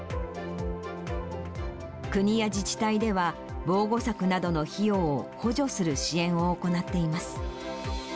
国や自治体では、防護柵などの費用を補助する支援を行っています。